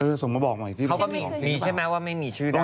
เออส่งมาบอกใหม่ที่มีชื่อมีใช่ไหมว่าไม่มีชื่อได้